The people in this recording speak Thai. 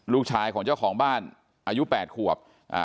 ลูกชายของเจ้าของบ้านอายุ๘ขวบ